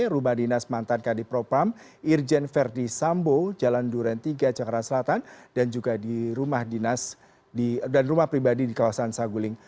rumah dinas mantan kadipropam irjen verdi sambo jalan duren tiga jakarta selatan dan juga di rumah dinas dan rumah pribadi di kawasan saguling